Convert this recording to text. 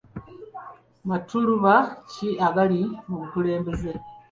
Matuluba ki agali mu bukulembeze?